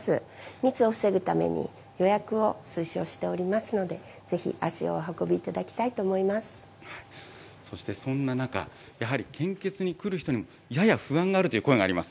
密を防ぐために予約を推奨しておりますので、ぜひ、足をお運びいそしてそんな中、やはり献血に来る人にやや不安があるという声があります。